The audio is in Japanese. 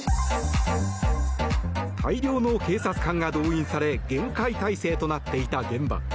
大量の警察官が動員され厳戒態勢となっていた現場。